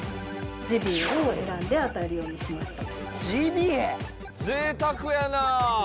ジビエを選んで与えるようにしました。